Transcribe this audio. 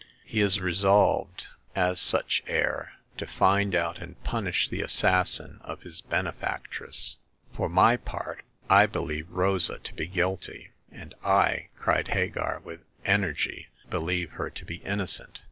^He is resolved, as such heir, to find out and punish the assassin of his benefactress. For my part, I believe Rosa to be guilty." " And I," cried Hagar, with energy, *' believe her to be innocent